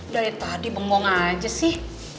dari tadi bengong aja sih